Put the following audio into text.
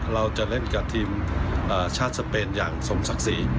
เราจะเล่นกับทีมชาติสเปนอย่างสมศักดิ์ศรี